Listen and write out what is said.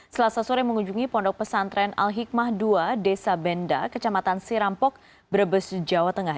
selasa sore mengunjungi pondok pesantren al hikmah ii desa benda kecamatan sirampok brebes jawa tengah